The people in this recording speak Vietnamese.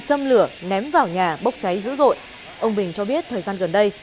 châm lửa ném vào nhà bốc cháy dữ dội ông bình cho biết thời gian gần đây